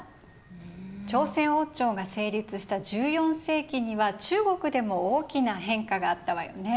朝鮮王朝が成立した１４世紀には中国でも大きな変化があったわよね？